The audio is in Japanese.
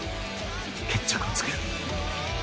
決着をつける。